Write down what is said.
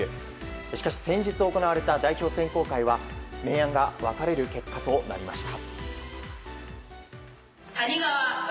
しかし先日行われた代表選考会は明暗が分かれる結果となりました。